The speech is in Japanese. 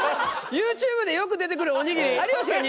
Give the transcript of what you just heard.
ＹｏｕＴｕｂｅでよく出てくるおにぎり有吉が握ってんの？